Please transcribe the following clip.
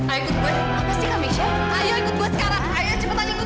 aku yakin pasti ada jalan keluarnya itu